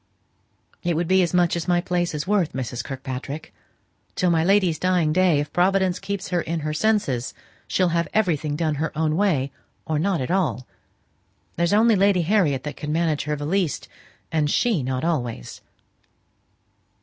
"It would be as much as my place is worth, Mrs. Kirkpatrick. Till my lady's dying day, if Providence keeps her in her senses, she'll have everything done her own way, or not at all. There's only Lady Harriet that can manage her the least, and she not always."